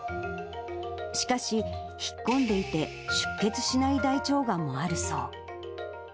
しかし、引っ込んでいて、出血しない大腸がんもあるそう。